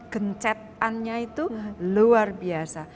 gencetannya itu luar biasa